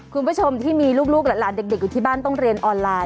คุณผู้ชมที่มีลูกหลานเด็กอยู่ที่บ้านต้องเรียนออนไลน์